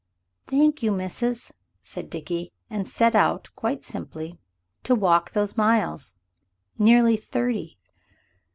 "Thank you, missis," said Dickie, and set out, quite simply, to walk those miles nearly thirty.